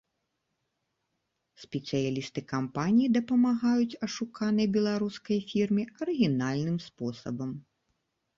Спецыялісты кампаніі дапамагаюць ашуканай беларускай фірме арыгінальным спосабам.